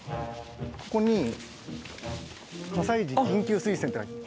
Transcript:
ここに「火災時緊急水栓」って書いてある。